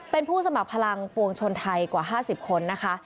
เป็นผู้สมัครพลังปวงชนไทยกว่า๕๐คนนะคะ